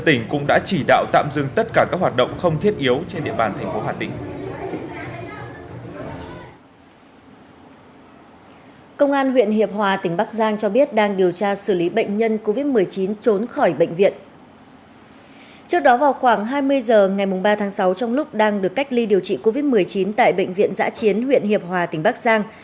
trước đó vào khoảng hai mươi giờ ngày ba tháng sáu trong lúc đang được cách ly điều trị covid một mươi chín tại bệnh viện giã chiến huyện hiệp hòa tỉnh bắc giang